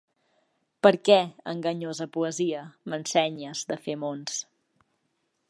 Per què, enganyosa poesia, m’ensenyes de fer mons?